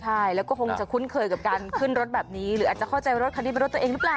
ใช่แล้วก็คงจะคุ้นเคยกับการขึ้นรถแบบนี้หรืออาจจะเข้าใจรถคันนี้เป็นรถตัวเองหรือเปล่า